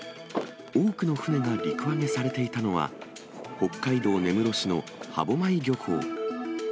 多くの船が陸揚げされていたのは、北海道根室市の歯舞漁港。